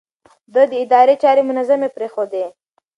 ده د ادارې چارې منظمې پرېښودې.